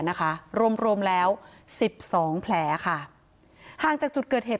นะคะรวมรวมแล้วสิบสองแผลค่ะห่างจากจุดเกิดเหตุ